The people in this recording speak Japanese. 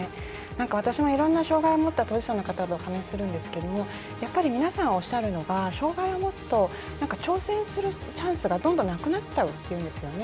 私もいろんな障がいを持った当事者の方とお話しするんですが皆さんおっしゃるのが障がいを持つと挑戦するチャンスがどんどんなくなっちゃうっていうんですよね。